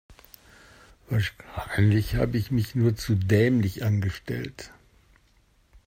Wahrscheinlich habe ich mich nur zu dämlich angestellt.